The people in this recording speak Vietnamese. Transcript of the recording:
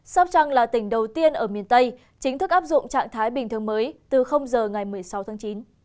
sóc trăng là tỉnh đầu tiên ở miền tây chính thức áp dụng trạng thái bình thường mới từ giờ ngày một mươi sáu tháng chín